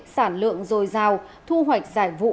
sản lượng dồi dào thu hoạch giải vụ